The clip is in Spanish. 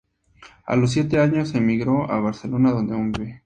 A los siete años emigró a Barcelona, donde aún vive.